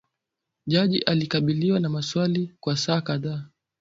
Jaji alikabiliwa na maswali kwa saa kadhaa